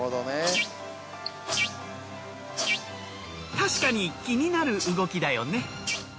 たしかに気になる動きだよね。